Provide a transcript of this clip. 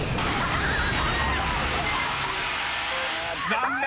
［残念！